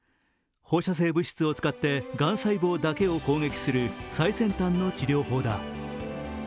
放射性物質を使ってがん細胞だけを攻撃する最先端の治療法だ。